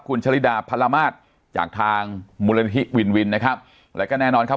คุณชะลิดาพรมาศจากทางมูลนิธิวินวินนะครับแล้วก็แน่นอนครับ